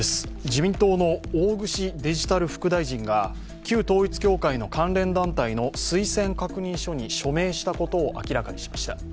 自民党の大串デジタル副大臣が旧統一教会の関連団体の推薦確認書に署名したことを明らかにしました。